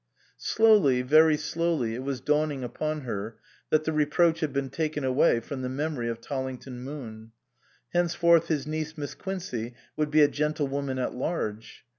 Slowly, very slowly, it was dawning upon her that the reproach had been taken away from the memory of Tollington Moon. Henceforth his niece Miss Quincey would be a gentlewoman at large.